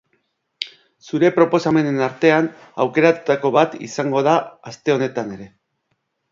Zuen proposamenen artean aukeratutako bat izango da aste honetan ere.